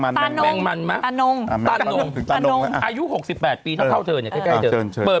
ตานงอายุ๖๘ปีเท่าเธอนี่ใกล้เธอ